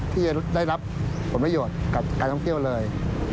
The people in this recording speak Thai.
ที่จะได้รับผลประโยชน์กับการท่องเที่ยวเลย